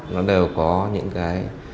nó đều có những cái